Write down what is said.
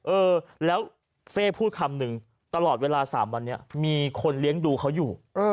เออแล้วเฟ่พูดคำหนึ่งตลอดเวลา๓วันนี้มีคนเลี้ยงดูเขาอยู่